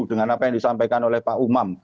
dengan apa yang disampaikan oleh pak umam